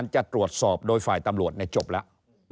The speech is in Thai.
จะตรวจสอบโดยฝ่ายตำรวจจบแล้ว